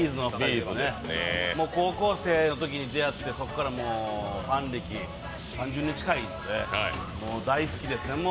’ｚですね高校生のときに出会って、そこからファン歴３０年近い、大好きですね。